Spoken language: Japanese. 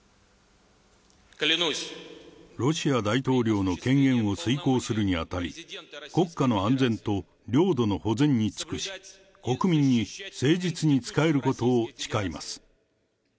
ロシア大統領の権限を遂行するにあたり、国家の安全と領土の保全に尽くし、国民に誠実に仕えることを誓います。